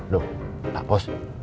loh pak bos